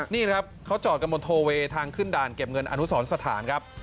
นี่ครับเขาจอดกันบนโทเวย์ทางขึ้นด่านเก็บเงินอนุสรสถานครับ